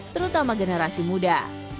terutama generasi muda